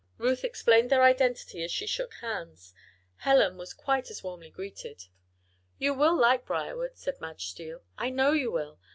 Ruth explained their identity as she shook hands. Helen was quite as warmly greeted. "You will like Briarwood," said Madge Steele. "I know you will.